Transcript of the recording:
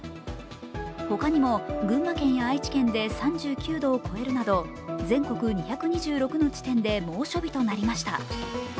他にも群馬県や愛知県で３９度を超えるなど全国２２６の地点で猛暑日となりました。